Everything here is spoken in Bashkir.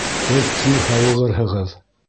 Һеҙ тиҙ һауығырһығыҙ